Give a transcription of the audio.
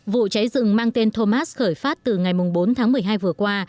vụ cháy rừng mang tên thomas khởi phát từ ngày bốn tháng một mươi hai vừa qua